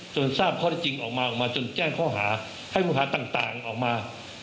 ทราบข้อได้จริงออกมาออกมาจนแจ้งข้อหาให้ผู้หาต่างออกมา